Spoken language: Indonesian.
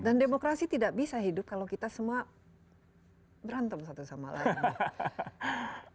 dan demokrasi tidak bisa hidup kalau kita semua berantem satu sama lain